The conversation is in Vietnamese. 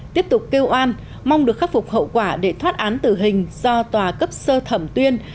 tiếp tục kêu oan mong được khắc phục hậu quả để thoát án tử hình do tòa cấp sơ thẩm tuyên